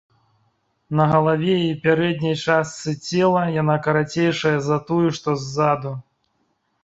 На галаве і пярэдняй частцы цела яна карацейшая за тую, што ззаду.